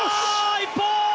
一本！